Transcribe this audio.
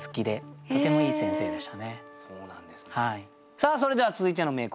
さあそれでは続いての名句